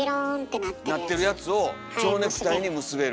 なってるやつをちょうネクタイに結べる。